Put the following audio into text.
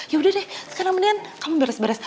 ya udah deh sekarang mendingan kamu beres beres